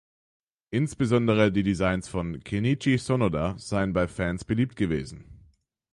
Insbesondere die Designs von Kenichi Sonoda seien bei Fans beliebt gewesen.